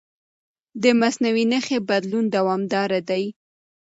د مصنوعي نښې بدلون دوامداره دی.